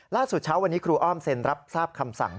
เช้าวันนี้ครูอ้อมเซ็นรับทราบคำสั่ง